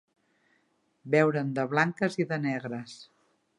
Veure'n de blanques i de negres.